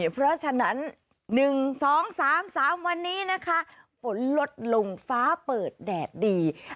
เพราะฉะนั้นหนึ่งสองสามสามวันนี้นะคะฝนลดลงฟ้าเปิดแดดดี